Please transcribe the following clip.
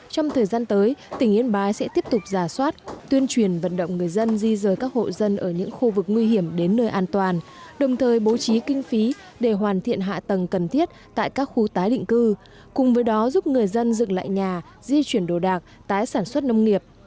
trong thời gian tới tỉnh yên bái sẽ tiếp tục giả soát tuyên truyền vận động người dân di rời các hộ dân ở những khu vực nguy hiểm đến nơi an toàn đồng thời bố trí kinh phí để hoàn thiện hạ tầng cần thiết tại các khu tái định cư cùng với đó giúp người dân dựng lại nhà di chuyển đồ đạc tái sản xuất nông nghiệp